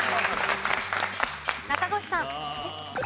中越さん。